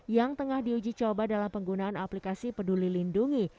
yang tengah diuji coba dalam penggunaan aplikasi peduli lindungi